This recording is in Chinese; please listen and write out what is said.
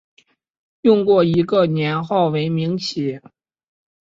用过一个年号为明启。